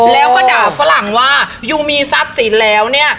แล้วก็ด่าฝรั่งว่ายูมีทรัพย์สินแล้วเนี่ย